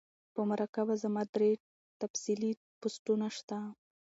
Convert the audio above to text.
پۀ مراقبه زما درې تفصيلی پوسټونه شته